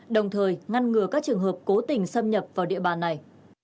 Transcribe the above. đồng thời ngăn ngừa các trường hợp cố tình xâm nhập vào địa bàn này